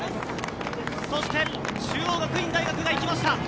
そして中央学院大学が行きました。